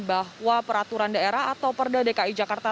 bahwa peraturan daerah atau perda dki jakarta